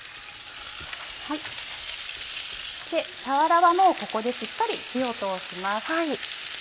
さわらはもうここでしっかり火を通します。